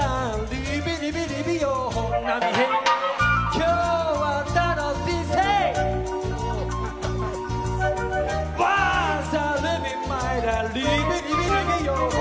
今日は楽しいぜ！